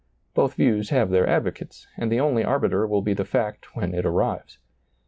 Both views have their advocates, and the only arbiter will be the fact when it arrives.